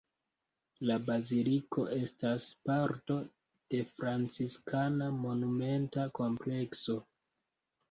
La baziliko estas parto de franciskana monumenta komplekso.